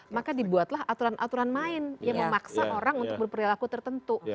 maka dibuatlah aturan aturan main yang memaksa orang untuk berperilaku tertentu